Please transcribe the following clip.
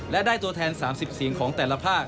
และได้ตัวแทน๓๐เสียงของแต่ละภาค